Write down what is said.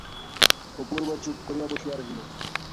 অপূর্ব চুপ করিয়া বসিয়া রহিল।